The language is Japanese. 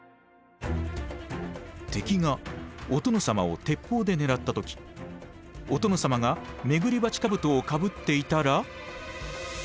敵がお殿様を鉄砲で狙った時お殿様が廻り鉢兜をかぶっていたら。